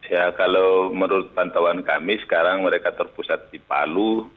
ya kalau menurut pantauan kami sekarang mereka terpusat di palu